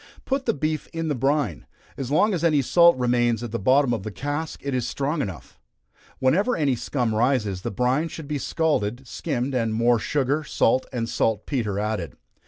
Put the beef in the brine. As long as any salt remains at the bottom of the cask it is strong enough. Whenever any scum rises, the brine should be scalded, skimmed, and more sugar, salt and salt petre added.